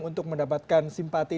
untuk mendapatkan simpati